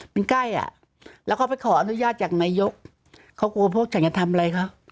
มันใกล้อ่ะแล้วเขาไปขออนุญาตจากนายกเขากลัวพวกฉันจะทำอะไรคะ